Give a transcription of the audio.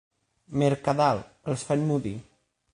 Mercadal, els fa emmudir.